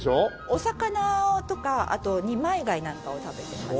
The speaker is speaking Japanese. お魚とかあと二枚貝なんかを食べてますね。